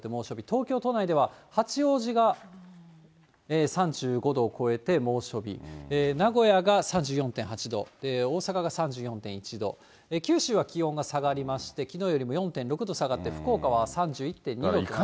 東京都内では八王子が３５度を超えて猛暑日、名古屋が３４．８度、大阪が３４．１度、九州は気温が下がりまして、きのうよりも４．６度下がって福岡は３１．２度となっています。